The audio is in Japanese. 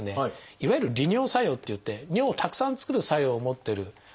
いわゆる利尿作用っていって尿をたくさん作る作用を持ってるものがありますね。